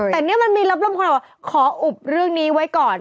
แต่มันมีรับร่วมคนผมว่าขออุบเรื่องนี้ไว้ก่อน